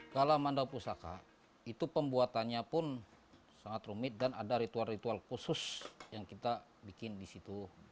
kalau manda pusaka itu pembuatannya pun sangat rumit dan ada ritual ritual khusus yang kita bikin di situ